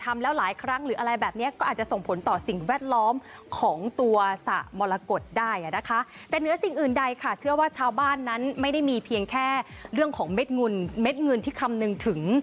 เรื่องของเม็ดเงินที่คำนึงถึง